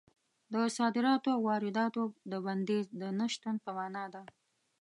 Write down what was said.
په صادراتو او وارداتو د بندیز د نه شتون په مانا ده.